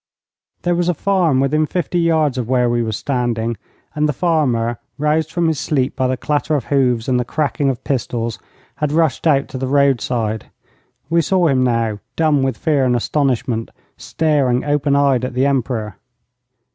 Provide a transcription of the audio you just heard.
There was a farm within fifty yards of where we were standing, and the farmer, roused from his sleep by the clatter of hoofs and the cracking of pistols, had rushed out to the roadside. We saw him now, dumb with fear and astonishment, staring open eyed at the Emperor.